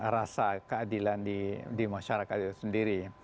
rasa keadilan di masyarakat itu sendiri